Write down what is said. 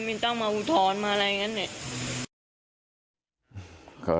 ไม่ต้องมาอุทธรณ์มาอะไรอย่างนั้นเนี่ย